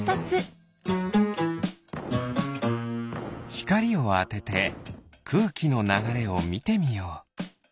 ひかりをあててくうきのながれをみてみよう。